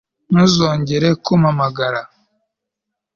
Ntuzongere kumpamagara